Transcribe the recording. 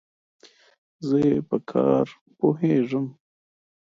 زه ئې په کار پوهېږم.